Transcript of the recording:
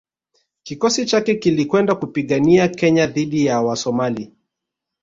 Kikosi chake kilikwenda kupigania Kenya dhidi ya Wasomali